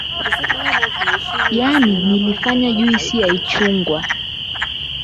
Yana nilifanya juisi ya ichungwa